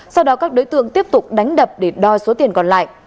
sau đó các đối tượng tiếp tục đánh đập để đo số tiền còn lại